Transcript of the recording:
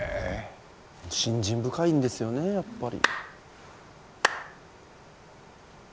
信心深いんですよねやっぱり。